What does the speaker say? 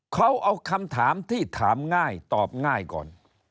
เขาเอาคำถามที่ถามง่ายตอบง่ายก่อน